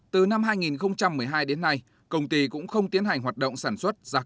từ năm hai nghìn một mươi hai đến nay công ty cũng không tiến hành hoạt động sản xuất giặc